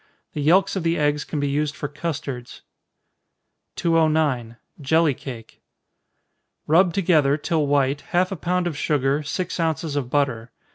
The yelks of the eggs can be used for custards. 209. Jelly Cake. Rub together, till white, half a pound of sugar, six ounces of butter.